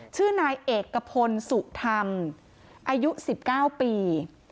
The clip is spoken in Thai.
ชื่อนายเอกพลสุธรรมอายุ๑๙ปี